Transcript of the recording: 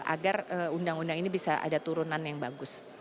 agar undang undang ini bisa ada turunan yang bagus